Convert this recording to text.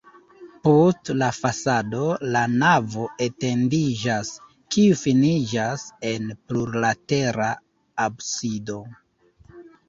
Post la fasado la navo etendiĝas, kiu finiĝas en plurlatera absido.